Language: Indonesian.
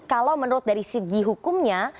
kalau menurut dari segi hukumnya